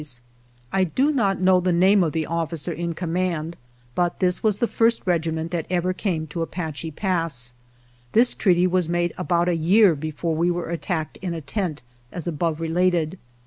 116 THE WHITE MEN I do not know the name of the officer in command, but this was the first regiment that ever came to Apache Pass. This treaty was made about a year before we were at tacked in a tent, as above related.